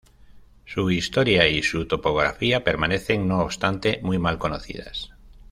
Su historia y su topografía permanecen, no obstante, muy mal conocidas.